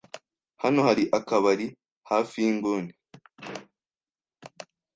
Hano hari akabari hafi yinguni.